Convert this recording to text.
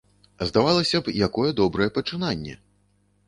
Здавалася б, якое добрае пачынанне.